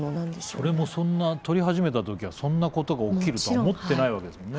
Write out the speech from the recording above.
それもそんな撮り始めた時はそんなことが起きるとは思ってないわけですもんね。